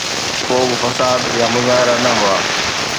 ڪو به فساد يا مظاهرا نه هئا.